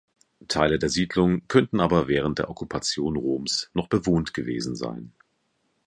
Teile der Siedlung könnten aber während der Okkupation Roms noch bewohnt gewesen sein.